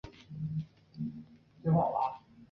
多须草科是棕榈目植物的一科。